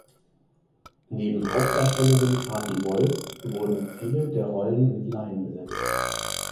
Neben Hauptdarstellerin Kathi Wolf wurden viele der Rollen mit Laien besetzt.